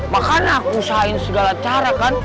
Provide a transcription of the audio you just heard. makanya aku usahain segala cara kan